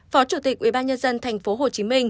phó chủ tịch ubnd tp hcm